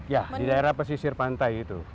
ya di daerah pesisir pantai itu